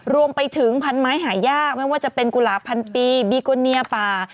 รวมไปถึงพันไม้หายากไม่ว่าจะเป็นกุหลาบพันปีโกเนียป่า